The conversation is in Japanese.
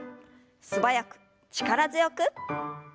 素早く力強く。